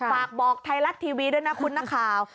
ฝากบอกไทยรัฐทีวีด้วยนะคุณนักข่าว